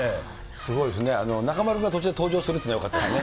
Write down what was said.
すごいですね、中丸君が途中で登場するというのがよかったですね。